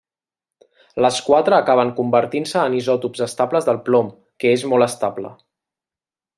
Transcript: Les quatre acaben convertint-se en isòtops estables del plom, que és molt estable.